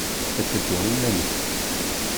Ad teddu i yiman-nnes.